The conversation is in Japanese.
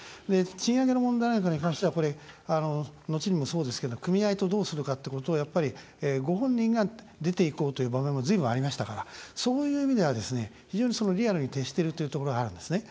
賃上げの問題なんかに関しては後にもそうですけど組合とどうするかっていうことをやっぱりご本人が出ていこうという場面もずいぶんありましたからそういう意味では非常にリアルに徹しているというところがあるんですね。